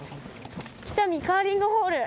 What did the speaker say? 北見カーリングホール。